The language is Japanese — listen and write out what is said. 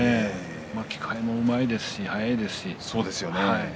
巻き替えもうまいですし速いですし。